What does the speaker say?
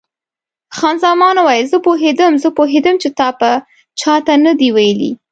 خان زمان وویل: زه پوهېدم، زه پوهېدم چې تا چا ته نه دي ویلي.